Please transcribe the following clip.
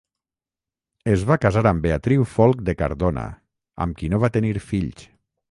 Es va casar amb Beatriu Folc de Cardona, amb qui no va tenir fills.